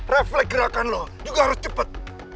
reflek gerakan lo juga harus cepet